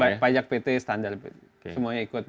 baik pajak pt standar semuanya ikut